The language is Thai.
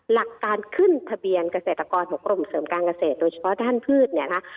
หลักการขึ้นทะเบียนเกษตรกรของกรมเสริมการเกษตรโดยเฉพาะด้านพืชเนี่ยนะคะ